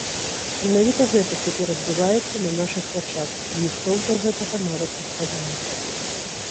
Менавіта гэта цяпер адбываецца на нашых вачах і ніхто ўжо гэтага нават не хавае.